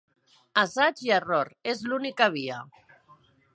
Assaig i error. És l'única via.